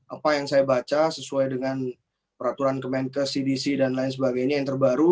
apa yang saya baca sesuai dengan peraturan kemenkes cdc dan lain sebagainya yang terbaru